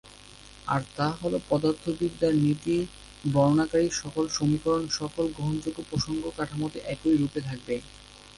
আর তা হলো, পদার্থবিদ্যার নীতি বর্ণনাকারী সকল সমীকরণ সকল গ্রহণযোগ্য প্রসঙ্গ কাঠামোতে একই রূপে থাকবে।